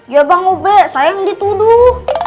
ya bang ube sayang dituduh